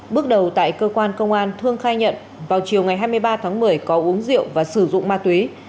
bước đầu tại cơ quan công an thương khai nhận vào chiều ngày hai mươi ba tháng một mươi có uống rượu và sử dụng ma túy